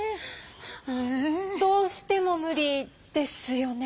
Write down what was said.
どうしても無理ですよね？